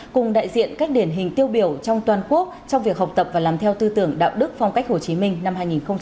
cùng đại diện các điển hình tiêu biểu trong toàn quốc trong việc học tập và làm theo tư tưởng đạo đức phong cách hồ chí minh năm hai nghìn hai mươi